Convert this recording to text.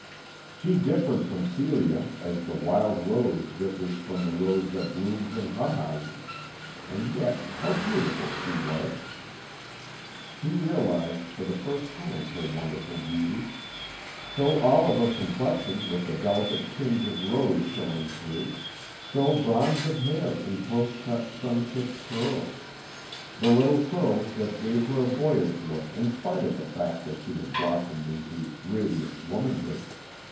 She differed from Celia as the wild rose differs from the rose that blooms in hothouses, and yet how beautiful she was! He realized for the first time her wonderful beauty. So olive of complexion with the delicate tinge of rose showing through, so bronze of hair in close cut sun kissed curls! The little curls that gave her a boyish look in spite of the fact that she had blossomed into radiant womanhood.